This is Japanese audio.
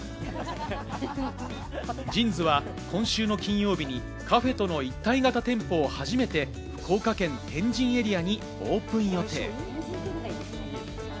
ＪＩＮＳは今週の金曜日にカフェとの一体型店舗を初めて福岡県の天神エリアにオープン予定。